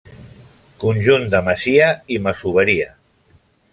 Conjunt de masia i masoveria.